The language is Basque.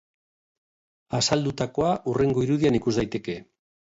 Azaldutakoa hurrengo irudian ikusi daiteke.